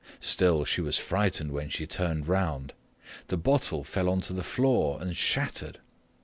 Still, she was frightened when she turned around. A bottle fell onto the floor and shattered.